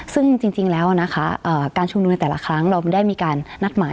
ซึ่งจริงแล้วนะคะการชุมนุมในแต่ละครั้งเราได้มีการนัดหมาย